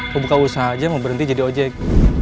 mau buka usaha aja mau berhenti jadi ojek